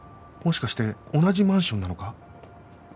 もしかして同じマンションなのか？